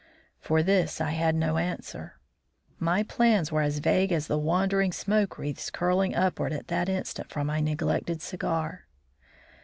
For this I had no answer. My plans were as vague as the wandering smoke wreaths curling upward at that instant from my neglected cigar.